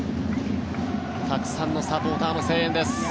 たくさんのサポーターの声援です。